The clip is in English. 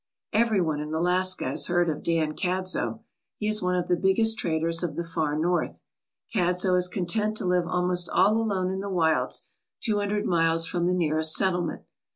Everyone in Alaska has heard of Dan Cadzo. He is one of the biggest traders of the Far North. Cadzo is content to live almost all alone in the wilds two hundred miles from the nearest settlement.